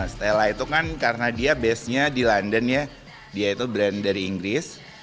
stella itu kan karena dia base nya di london ya dia itu brand dari inggris